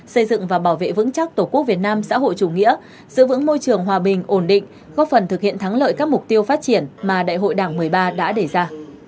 xây dựng và bảo vệ vững chắc tổ quốc việt nam xã hội chủ nghĩa giữ vững môi trường hòa bình ổn định góp phần thực hiện thắng lợi các mục tiêu phát triển mà đại hội đảng một mươi ba đã đề ra